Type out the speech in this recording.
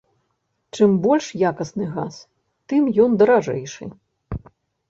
Чым больш якасны газ, тым ён даражэйшы.